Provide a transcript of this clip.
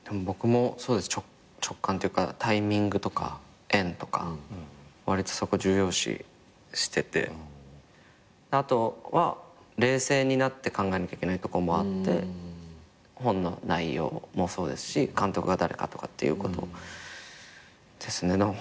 僕も直感っていうかタイミングとか縁とかわりとそこ重要視しててあとは冷静になって考えなきゃいけないとこもあって本の内容もそうですし監督が誰かとかっていうことですね。